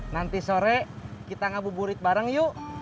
nanti sore kita ngabuburit bareng yuk